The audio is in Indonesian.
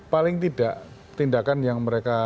paling tidak tindakan yang mereka